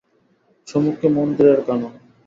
সম্মুখে মন্দিরের কানন।